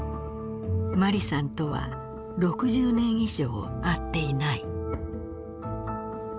マリさんとは６０年以上会っていない。